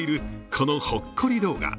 このほっこり動画。